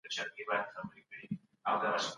قصاص د مظلوم حق دی.